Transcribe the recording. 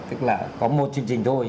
tức là có một chương trình thôi